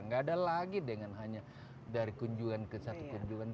nggak ada lagi dengan hanya dari kunjungan ke satu kunjungan